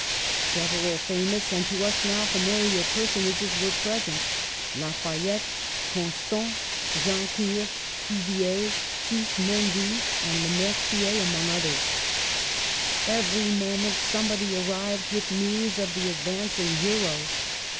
Several famous, and to us now familiar, personages were present — Lay fayette, Constant, Jancourt, Cuvier, Sismondi, and Lemercier among others. Every moment somebody arrived with news of the advancing hero.